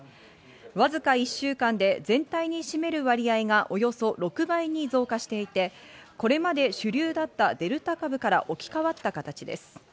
わずか１週間で全体に占める割合がおよそ６倍に増加していて、これまで主流だったデルタ株から置き換わった形です。